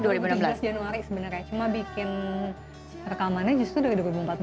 dua ribu enam belas januari sebenarnya cuma bikin rekamannya justru dari dua ribu empat belas